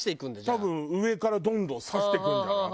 多分上からどんどん刺していくんじゃない？